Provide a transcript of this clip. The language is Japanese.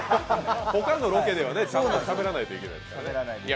ほかのロケではちゃんとしゃべらないといけないですからね。